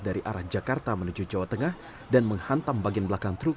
dari arah jakarta menuju jawa tengah dan menghantam bagian belakang truk